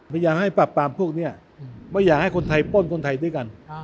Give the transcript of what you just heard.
อย่าให้ปรับปรามพวกนี้ไม่อยากให้คนไทยป้นคนไทยด้วยกัน